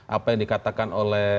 apa yang dikatakan oleh